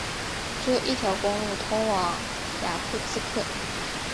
只有一条公路通往雅库茨克。